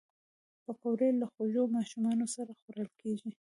پکورې له خوږو ماشومانو سره خوړل کېږي